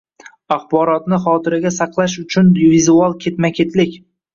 Axborotni xotiraga saqlash bo‘yicha vizual ketma-ketlik